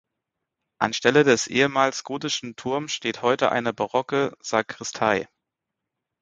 Anstelle des ehemals gotischen Turm steht heute eine barocke Sakristei.